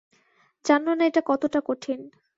জানো না এটা কতোটা কঠিন।